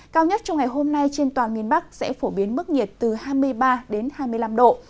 cao nhất trong ngày hôm nay trên toàn miền bắc sẽ phổ biến mức nhiệt từ hai mươi ba đến hai mươi năm độ